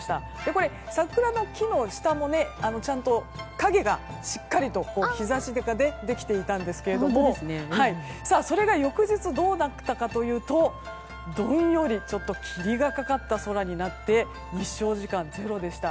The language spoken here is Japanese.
これ、桜の木の下もちゃんと影がしっかりと日差しができていたんですがそれが翌日どうなったかというとどんより霧がかかった空になって日照時間ゼロでした。